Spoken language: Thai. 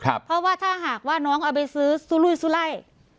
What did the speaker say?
เพราะว่าถ้าหากว่าน้องเอาไปซื้อสุลุยสุไล่